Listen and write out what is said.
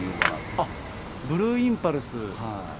あっ、ブルーインパルス。